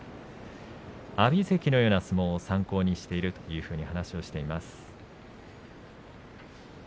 阿炎関のような相撲を参考にしていると話しています。